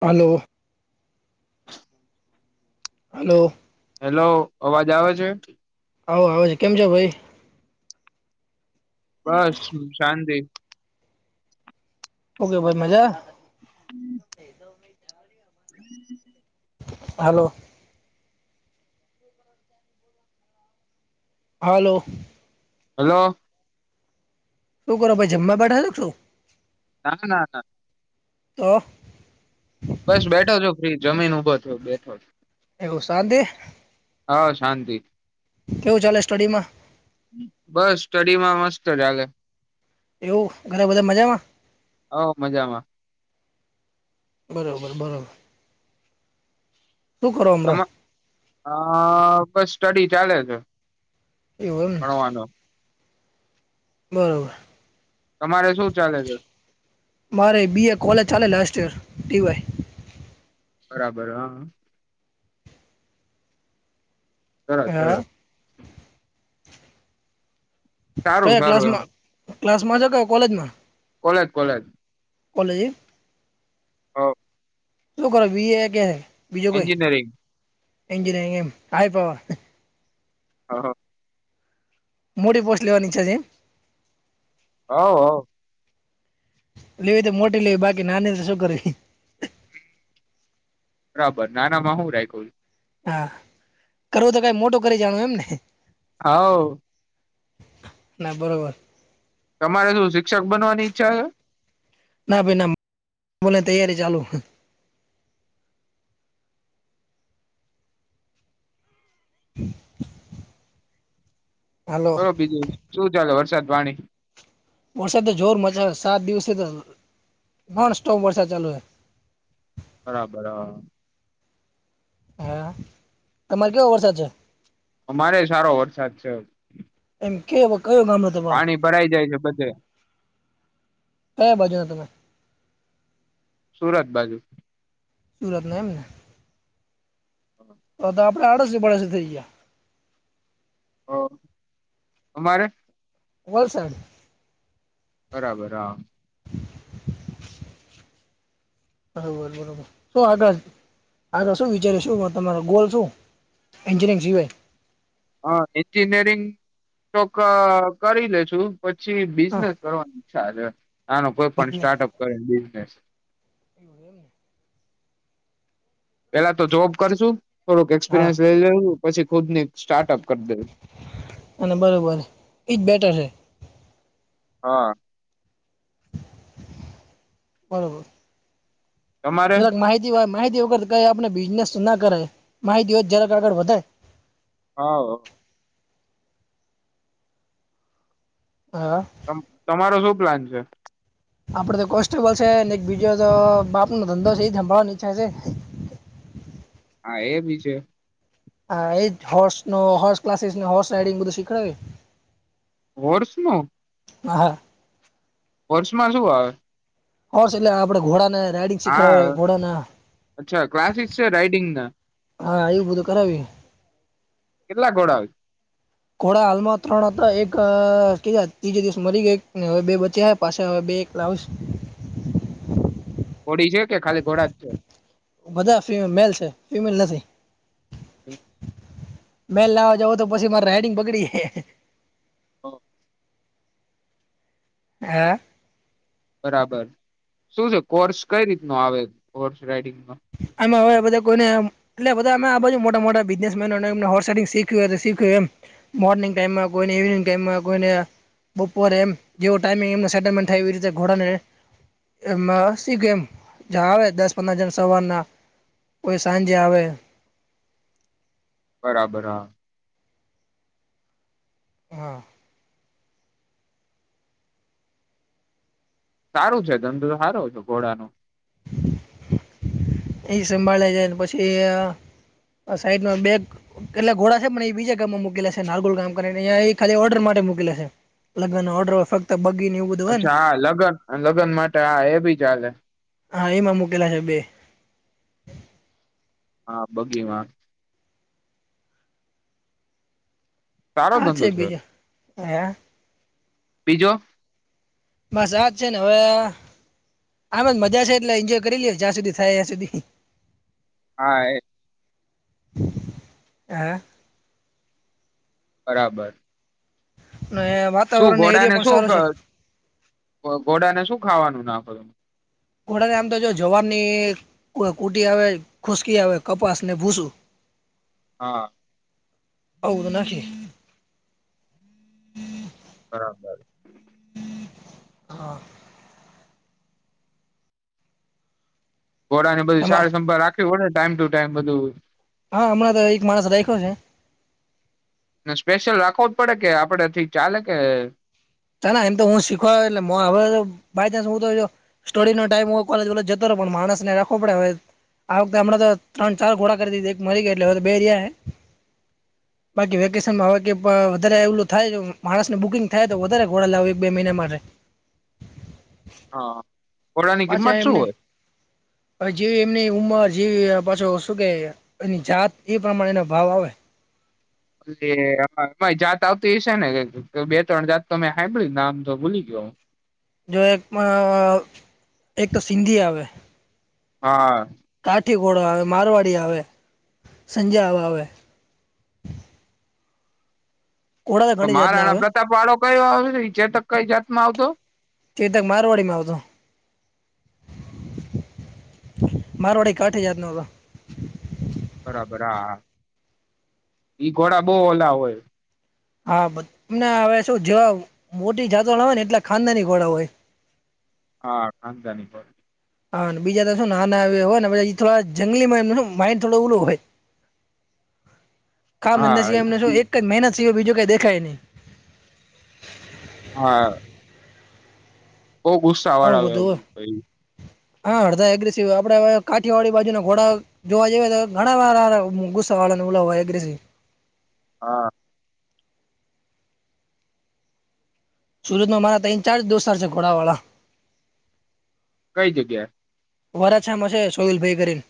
હાલો. હ. Hello. Hello અવાજ આવે છે? આવો આવ છે, કેમ છો ભાઈ? બસ શાંતિ હુ કે ભાઈ મજા? હમ. હાલો. હાલો. હાલો. શું કરો ભાઈ જમવા બેઠા કે શુ? ના ના ના. તો? બસ બેઠો છો ફ્રી જમીન ઊભો થયો બેઠો એવું શાંતી હા શાંતિ કેવું ચાલે સ્ટડીમા? બસ સ્ટડીમાં મસ્ત ચાલે એવું ઘરે બધા મજામાં હ મજામાં બરાબર બરા કરો હમણાં તમા અ બસ સ્ટડી ચાલે છે. એવું એમ ને ભણવાનો બરોબર. તમારે શું ચાલે છે? મારે બી એ કોલેજ ચાલે લાસ્ટ યર, ટીવાય. બરાબર હા. સર હા સર. સારું કયા સારું એમ ક્લાસમાં ક્લાસમાં છો કે કોલેજમાં? College college. કોલેજ. હા. શું ખી કે બીજું કોઈ, એન્જિનિયરિંગ એજનયરિંગ એમ હાઈ પાવર. હ હ. મોટી પોસ્ટ લેવાની ઇચ્છા છે? અ અ. લેવી હોય તો મોટી લેવી બાકી નાની ને શું કરવી. બરાબર નાના માં હું રાખ છ. હા, કરવો હોય તો કઈ મોટો કરી જામ એમ ને. આવો. ના બરોબર. તમારે શું શિક્ષક બનવાની ઈચ્છા છે? ના ભાઈ ના તૈયારી ચાલુ. હમ. હાલો કહો બીજું શું ચાલે વરસાદ પાણી? વરસાદ તો જોર મજા સાત દિવસે નોનસ્ટોપ વરસાદ ચાલુ છે. બરાબર હા. હા, તમારે કેવો વરસાદ છે? અમારે સારો વરસાદ છે. એમ કે કયો ગામ હતો? પાણી ભરાઈ જાય છે બધે. તમે ક્યાં બાજુના છે? અમે સુરત બાજુના છે. સુરત ના એમ ને, તો તો આપણે આડોશી પાડોશી થઈ ગયા. ઓ, અમારે? વલસાડ. બરાબર હા. બરોબર બરોબર શું આગળ આગળ શું વિચારી શું તમારો ગોલ શું? એન્નેયંગ જો હોય. હ એન્જિનિયરિંગ તોક કરી લેેશુ. પછી હા બિઝનેસ કરવાની ઈચ્છા છે, આનો કોઈ પણ સ્ટાર્ટઅપ કરે બિઝનેસ. એવું એમ ને. પેલા તો જોબ કરશું થોડુંક હા એક્સપિરિયન્સ લઈ લે પછી ખુદ ની સ્ટાર્ટઅપ કરી દેવું. અને બરોબર, એઈજ બેટર છે. હા. બરોબર. તમારે જરાક માહિતી હોય માહિતી વગર કઈ આપને બિઝનેસ ના કરે, માહિતી હોય જરાક આગળ વધે. હા. હા. તમારો શું પ્લાન છે? આપડે તો કોન્સ્ટેબલ છે એક બીજો બાપ નો ધંધો છે એભવાની ઈચ્છા છે. હા એ બી છે. હા એજ હોર્સો હોર્સ ક્લાસીસ હોર્સ રાઈડિંગ બધું શીખવાડાય [unintelligible] હ હા હોશમા શું આવે હોશ એટલે આપડે ઘોડા ને હા અચ્છા ક્લાસસ છે રાઈડિંગ ના હા એું બધું કરવીએ કેટલા ઘોડા હોય છે ખોડા હાલમાં ત્રણ હતા એક ક ત્રીજે દિવસ મરી ગયા એક હવે બે બચ્યા પાછ હવે એક બે લાવીસું ઘોડી છે કે ખાલી ઘોડા જ છે. બધા મેલ છે ફિમેલ નથી [inaudible] મેલ લાવા જવ તો પછી મારે રાઈડિંગ બગડી જાય ઓ હા બરાબર શું છે કોર્સ કઈ રીત નો આવે હોર્સ રાઈડિંગ ન આમાં હવે બધા કોને એમ એટલે બધા અમે આ બાજુ મોટા મોટા બિઝનેસમેના ને એમ [unintelligible] શીખવી હોય તો સીખે એમ મોર્નિંગ ટાઈમમાં કોઈને ઈવનિંગ ટાઈમમાં કોઈને બપોરે એમ જેવો ટાઈમિંગ એમ સેટલમેન્ટ થાય એવી રીતે ઘોડાને એમાં [unintelligible] આવે દસ પંદર જણ સવારના કોઈ સાંજે આવે બરાબર હા હા સારું છે ધંધો સારો છે ઘોડા ન એ સંભાળે જાય પછી સાઈડમાં બેગ એટલે ઘોડા છે ને એ બીજા ગામમાં મૂકેલાેશે નાગોલ ગામ કરી ને ખાલી ઓર્ડર માટે મૂકેલા છે. લગનના ઓર્ડર ફક્ત બગીની અચ્છા હા લગ્ન લગ્ન માટે હા એ ભી ચાલે હા એમાં મૂકેલા છે બે હા બગીમા સારો ધંધો અચછા છે. બીજું હ બીજો બસ આજ છે ને હવે આા મજા છે એટલે એન્જોય કરી લે જ્યાં સુધી થાય ત્યાં સુધી હા હ બરાબર [unintelligible] શું એરિયો ઘોડાને પણ શું સારો છે ઘોડા ને શું ખાવાનું નાખો ત ઘોડાને આમ તો જો જવાર ની કુટી આવે ખુશકી આવે કપાસ ને ભૂસું [inaudible] હા. આવ તો નાખી. બરાબર. હા. ઘોડા નેધ સાર તમા સંભા રાખ હોય ને ટાઈમ ટુ ટાઈમ બધું. હા હમણાં તો એક માણસ રાખ્યો છે. સ્પેશિયલ રાખવો જ પડે કે આપડ થી ચાલે કે? ચ એમ તો હું શીખવા એટલે હવે બાય ચાન્સ હું તો સ્ટડી નો ટાઈમ હો કોલે જતો રહ પણ માણસને રાખવો પડે હવે. આ વખતે હમણાં તો ત્રણ ચાર ઘોડા કરી દી એક મરી ગયા એટલે હવે તો બે રહ્યા. બાકી વેકેશનમાં હવે કે વધારે એવલું થાય માણસને બુકિંગ થાય. વધારે ગોડા લાવ એક બે મહિના મારે. હા, ઓડાની પાછા કિંમત શું હોય? [inaudible] જેવી એમની ઉંમર જેવી પાછો શું કે એની જાત એ પ્રમાણે એનો ભાવ આવે. એટલેમારી જાત આવતી એ છે ને બે ત્રણ જાત તમે સાાભળીને આમ તો ભૂલી ગયો. જો એક એક તો સિંધી આવે. હા. કાઠીગોળો આવે મારવાડી આવે, સંજા આવે. ઘોડા તો ઘણી જાતના મહારાણા આવે પ્રતાપ વાળો કયો આવ ચેતક કઈ જાત માં આવતો? તે તક મારવાડી માં આવતો. મારો વડ એક આઠ હજાર નો હતો. બરાબર હા, ઈ ઘોડા બહ ઓલા હોય. હા બ તમને હવે શું જેવા મોટી જાતો ના હોય ને એટલા ખાનદાની ઘોડા હોય. હા અંધ ન બ [unintelligible] હા બીજા ત શું ના આવ હોય પછ થોડા જંગલીમાં એ માઇન્ડ થોડો ઓલો હોય. કામ ધંધા સિવા એમને શ હા એક મહેનત સિવાય બીજું કઈ દેખાય નહી. હા. બઉ બુ સવાર આવું બધું આવ્યો. હોય હા હડદા એગ્રેસ આપડે કાઠિયાવાળડી બાજુ ના ઘોડા જોવા જઈએ તો ઘણા વાર આ ગુસ્સાવાળાને ઉલાવાગ્રેસી. હા. સુરતમાં મારા ત ચાર્જ દોસ્ર છે ઘોડાવાળા. કઈ જગ્યાએ? વરા છે મ છે સોહલ ભાઈ કરીન.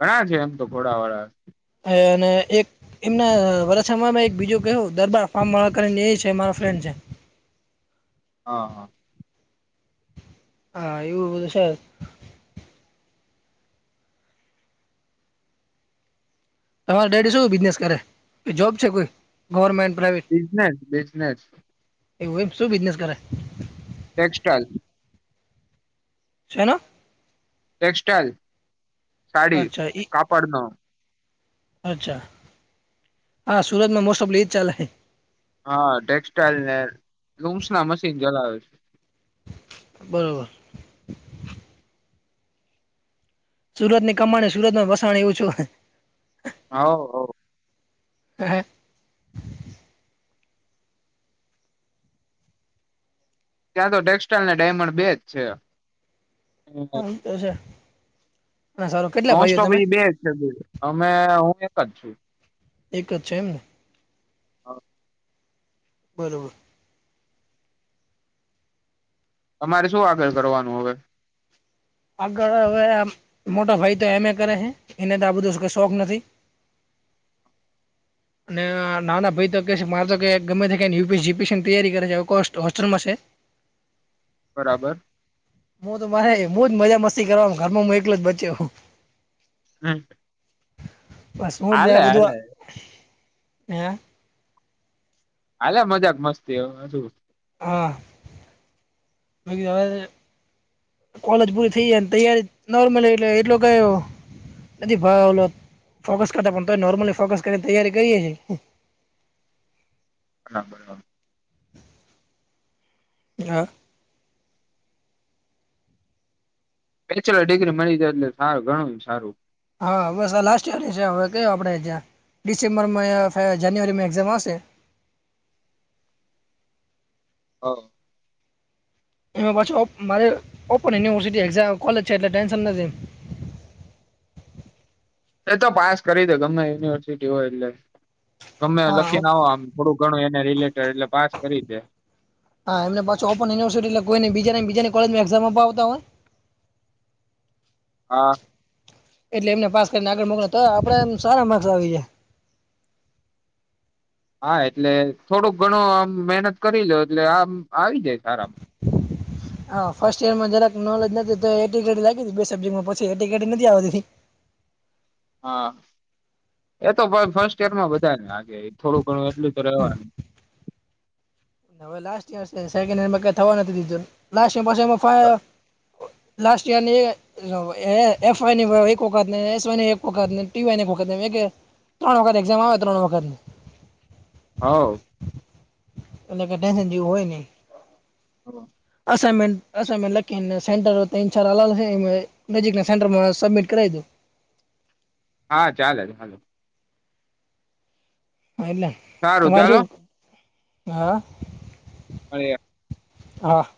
ઘણા છે એમ તો ઘોડા વાળા. હ અને એક એમના વરયમાં એક બીજું કહ દરબાર ફાર્મળા કરીને એ છે મા ફ્રેન્ડ છે. હા હા. હા એવું બધું છે. તમારી ડેડી શું બિઝનેસ કરે કે જોબ છે કોઈ ગવર્મેન્ટ પ્રાાઈવેટ? Business business. એવું એમ શું બિઝનેસ કરે? ટેક્સટાઈઇલ. છેના? ટેક્સટાઈલ સાડી અચ્છા ઈ કાપડ નો અચ્છા હા, સુરતમાં મોસ્ટ ઓફ લીદ ચાલૈ. હા, ટેક્સટાઈલ ને લૂમ્સ ના મશીન ચલાવે છે. બરોબર. સુરત ની કમાણી સુરત માં વસાણ એવું છું. હ, હ. [unintelligible] ત્યાં તો ટેક્સટાઈલ અનેને ડાયમંડ બેજ છે. [unintelligible] અને સારું કેટલા નોન ભાઈઓ સોપ બે તમે જ છે, અમે હું એક જ છું. એક જ છે, એમને હ. [unintelligible] તમારે શું આગળ કરવાનું હવે? આગળ હવે આ મોટા ભાઈ તો એમ એ કરે છે, એટલે તો આ બધો શોખ નથી. અને નાના ભાઈ તો કે છે, મારે તો કે, ગમે કે, જીપીસીની તૈયારી કરે છે, હોસ્ટલમાં છે. [inaudible] બરાબર. હું તો મારે બહુ જ મજા મસ્તી કરવા ઘરમાં હું એકલો જ બચ્યોું. હે બસ હું જ ં બધું [unintelligible] હાલે મજાક મસ્તી એું હા [unintelligible] કોલેજ પૂરી થઈ જાયને તૈયારી નોર્મલ એટલે એટલો કયો નથી ભાવ ઓલો ફોકસ કરતા પણ, નોર્મલી ફોકસ કરી તૈયારી કરીએ છે. હા [unintelligible] હા. બેચલર ડિગ્રી મળી જાય એટલે સારું ગણું સારું. હા, બસ આ લાસ્ટ યરની છે હવે, ક આપણે જ્યાં ડિસેમ્બરમાં જાન્યુઆરીમાં એક્ઝામ આવશે. હ. એમાં પછી મારી ઓપન યુનિવર્સિટી એક્ઝામ કોલેજ છે એટલે ટેન્શન નથી. એ તો પાસ કરી દે ગમે યુનિવર્સિટી હોય એટલે ગમે હા લખીને હો આમ હા થોડું ઘણું એને રિલેટેડ એટલે પાસ કરી છેે. હા, એમ પાછ ઓપન યુનિવર્સટી એટલેઈ બીજાને બીજાની કોજ એક્ામ આપપ આવતા હોય. [inaudible] હા. એટલે એમને પાસ કરીને આગળ મોક તો આપણે એમ સારા માર્ક્સ આવીાય. હા એટલે થોડોક ઘણું આમ મહેનત કરી લોે એટલે આમ આવી જાય સારામાં. [inaudible] હા, ફર્સ્ટ ઈયરમાં જરાક નોલેજ નથી, તો એટીકેટી લાગી બે સબ્જેકમાં પછી એટીકેટી નથી આવતી. હા, એતો ભાઈ ફર્સ્ટ એડમાં બધારે આગે થોડું ઘણું એટલું તો રવાનું. વેાસ થવા નથી દીધાસ પા ફ લાસ્ટ યારની એફ વાય ની એક વખત એસ વાય એક વખત ટી વાય એક વખત ત્રણ વખત એક્ઝામ આવે ત્રણ વખતની હાવ. એટલે કે ટેન્શન જેવું હોય નઈ. હ. અસાઇમેન્ટ એસાઇમેન્ટ લખી ન સેન્ટર ત્રણ ચાર અલાવશે નજીકના સેન્ટરમાં સબમિટ કરાવી દો. હા ચાલે જ હાલો. હ એલે સારું તમારે ચાલો છું હા. હા. હા.